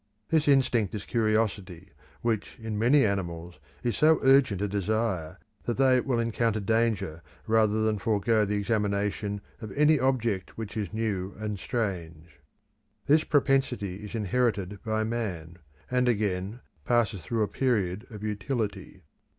This instinct is curiosity, which in many animals is so urgent a desire that they will encounter danger rather than forego the examination of any object which is new and strange. This propensity is inherited by man, and again passes through a period of utility.